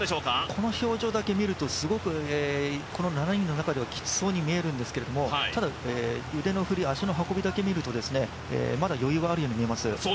この表情だけ見ると、この７人の中ではすごくきつそうに見えるんですが、ただ、腕の振り、足の運びだけ見ると、まだ余裕はあるように見えます。